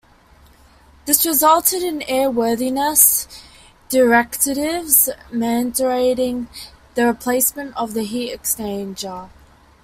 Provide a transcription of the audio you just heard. This resulted in Airworthiness Directives mandating the replacement of the heat exchanger.